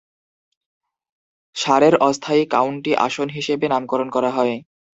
সারের অস্থায়ী কাউন্টি আসন হিসেবে নামকরণ করা হয়।